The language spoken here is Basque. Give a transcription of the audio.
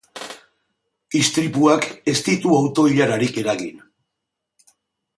Istripuak ez ditu auto-ilararik eragin.